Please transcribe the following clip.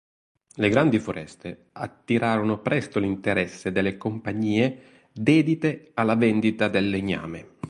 Le grandi foreste attirarono presto l'interesse delle compagnie dedite alla vendita del legname.